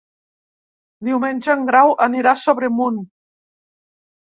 Diumenge en Grau anirà a Sobremunt.